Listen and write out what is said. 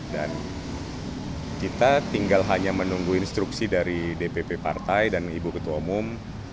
kita tinggal hanya menunggu instruksi dari dpp partai dan ibu ketua umum